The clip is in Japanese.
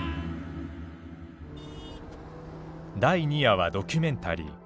第二夜はドキュメンタリー。